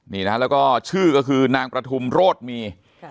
นี่นะแล้วก็ชื่อก็คือนางประทุมโรธมี